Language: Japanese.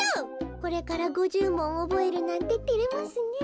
これから５０もんおぼえるなんててれますねえ。